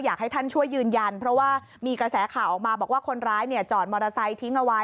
อยากให้ท่านช่วยยืนยันเพราะว่ามีกระแสข่าวออกมาบอกว่าคนร้ายเนี่ยจอดมอเตอร์ไซค์ทิ้งเอาไว้